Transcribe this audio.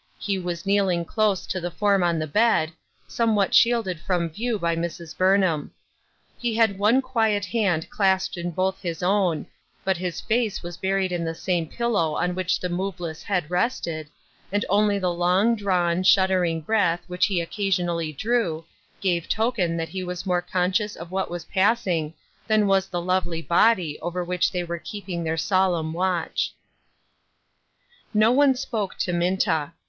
He was kneeling close to the form on the bed, somewhat shielded from view by Mrs. Burnham. He had one quiet hand clasped in both his own, but his face was buried in the same pillow on which the moveless head rested, and only the long drawn, shuddering breath which he occasionally drew, gave token that he was more conscious of what was passing than was the lovely body over which they were keeping their solemn watch. No one spoke to Minta.